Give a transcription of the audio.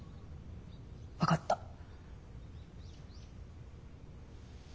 分かった。